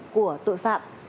của tội phạm